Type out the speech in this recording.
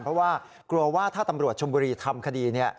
เพราะว่ากลัวว่าถ้าตำรวจชมบุรีทำคดี